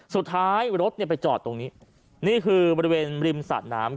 สุดท้ายรถเนี่ยไปจอดตรงนี้นี่คือบริเวณริมสะน้ำ